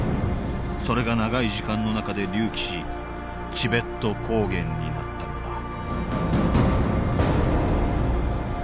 それが長い時間の中で隆起しチベット高原になったのだ